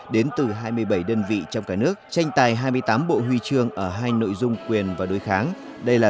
đến từ hai mươi bảy đơn vị trong cả nước tranh tài hai mươi tám bộ huy chương ở hai nội dung quyền và đối kháng đây là